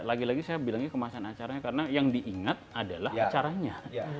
lagi lagi saya bilangnya kemasan acaranya karena yang diingat adalah acaranya